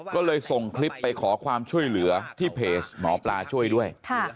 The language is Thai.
ก็เลยส่งคลิปไปขอความช่วยเหลือที่เพจหมอปลาช่วยด้วย